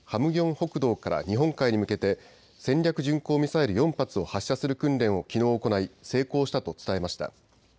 北道から日本海に向けて戦略巡航ミサイル４発を発射する訓練をきのう行い成功したと伝えました。